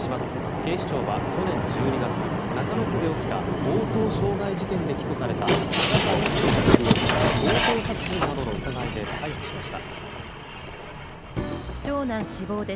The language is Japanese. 警視庁は去年１２月中野区で起きた強盗傷害事件で起訴された永田陸人被告を強盗殺人などの疑いで逮捕しました。